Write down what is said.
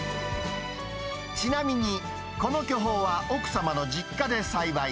ちなみに、この巨峰は奥様の実家で栽培。